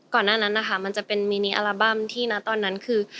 หน้านั้นนะคะมันจะเป็นมินีอัลบั้มที่นะตอนนั้นคือ